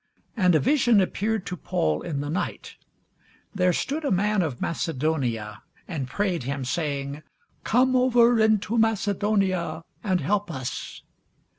And a vision appeared to Paul in the night; There stood a man of Macedonia, and prayed him, saying, Come over into Macedonia, and help us.